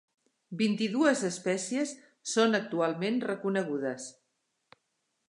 Vint-i-dues espècies són actualment reconegudes.